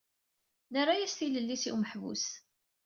Nerra-as tilelli-s i umeḥbus.